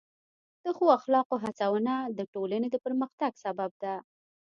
د ښو اخلاقو هڅونه د ټولنې د پرمختګ سبب ده.